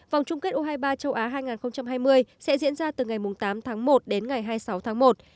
vòng chung kết u hai mươi ba châu á hai nghìn hai mươi sẽ diễn ra từ ngày tám tháng một đến ngày hai mươi sáu tháng một